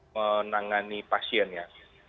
menangani pasien ya